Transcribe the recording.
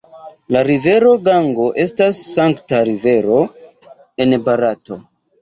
La rivero Gango estas sankta rivero en Barato.